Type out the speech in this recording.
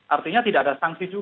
artinya tidak ada sanksi juga